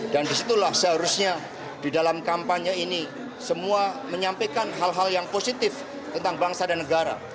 dan disitulah seharusnya di dalam kampanye ini semua menyampaikan hal hal yang positif tentang bangsa dan negara